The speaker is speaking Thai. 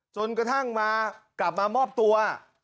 จนกระทั่งมากลับมามอบตัว